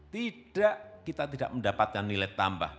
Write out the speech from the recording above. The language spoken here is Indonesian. tidak kita tidak mendapatkan nilai tambah